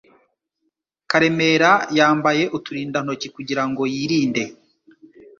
Karemera yambaye uturindantoki kugira ngo yirinde